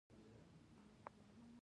ډګروال بیا هم په هماغه لوړه برنډه ولاړ و